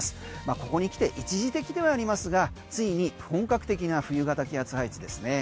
ここにきて一時的ではありますがついに本格的な冬型気圧配置ですね。